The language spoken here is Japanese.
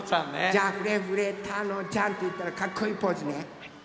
じゃあ「フレフレたのちゃん」っていったらかっこいいポーズね！